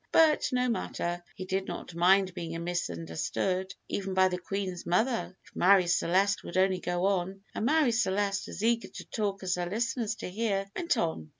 But no matter, he did not mind being misunderstood, even by the Queen's mother, if Marie Celeste would only go on; and Marie Celeste, as eager to talk as her listeners to hear, went on.